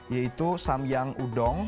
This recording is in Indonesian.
yaitu samyang udon